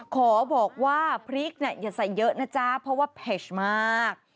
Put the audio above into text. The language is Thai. ขอบอกว่าพริกเนี่ยอย่าใส่เยอะนะจ๊ะเพราะว่าเผ็ดมาก